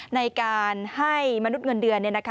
ในการให้มนุษย์เงินเดือนไว้นะคะ